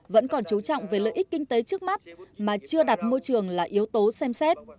vẫn còn chú trọng về lợi ích kinh tế trước mắt mà chưa đặt môi trường là yếu tố xem xét